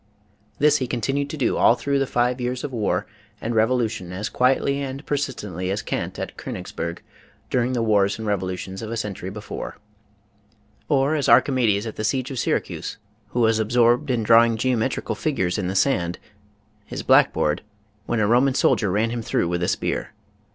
This he continued to do all through the five years of war and revolution as quietly and persistently as Kant at Konigsberg during the wars and revolutions of a century before. Or as Archimedes at the siege of Syracuse who was absorbed in drawing geometrical figures in the sand — ^his black board — when a Roman soldier ran him through with a spear.